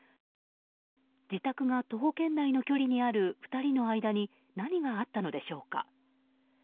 自宅が徒歩圏内の距離にある２人の間に何があったのでしょうか。